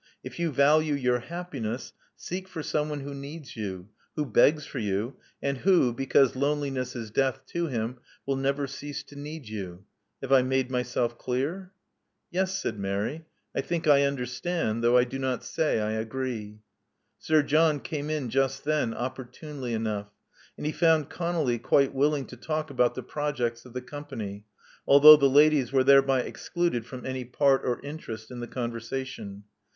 If you value your happiness, seek for someone who needs you, who begs for you, and who, because loneliness is death to him, will never cease to need you. Have I made my self clear?" Yes," said Mary. I think I understand; though I do not say I agree." Sir John came in just then, opportunely enough ; and he found ConoUy quite willing to talk about the pro jects of the Company, although the ladies were there by excluded from any part or interest in the con versation.